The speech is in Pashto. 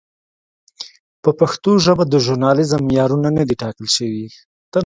په پښتو ژبه د ژورنالېزم معیارونه نه دي ټاکل شوي.